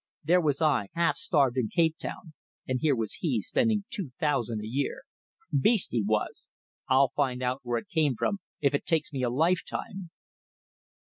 There was I half starved in Cape Town, and here was he spending two thousand a year. Beast, he was! I'll find out where it came from if it takes me a lifetime."